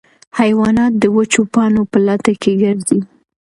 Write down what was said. حیوانات د وچو پاڼو په لټه کې ګرځي.